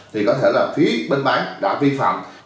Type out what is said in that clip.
thì có thể là phía bên bán đã vi phạm